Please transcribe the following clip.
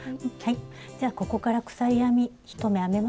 じゃあここから鎖編み１目編めますか？